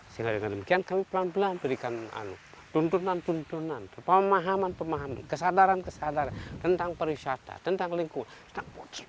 sehingga dengan demikian kami pelan pelan berikan tuntunan tuntunan pemahaman pemahaman kesadaran kesadaran tentang pariwisata tentang lingkungan